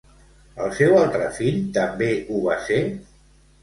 El seu altre fill també ho va ser?